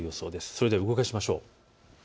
それでは動かしましょう。